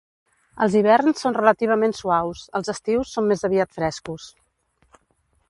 Els hiverns són relativament suaus, els estius són més aviat frescos.